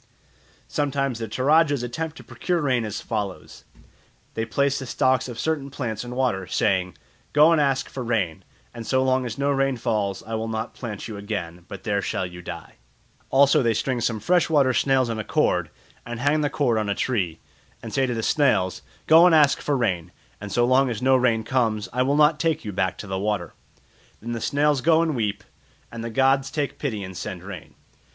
Sometimes the Toradjas attempt to procure rain as follows. They place the stalks of certain plants in water, saying, "Go and ask for rain, and so long as no rain falls I will not plant you again, but there shall you die." Also they string some fresh water snails on a cord, and hang the cord on a tree, and say to the snails, "Go and ask for rain, and so long as no rain comes, I will not take you back to the water." Then the snails go and weep, and the gods take pity and send rain.